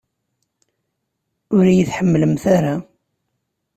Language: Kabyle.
Ur iyi-tḥemmlemt ara!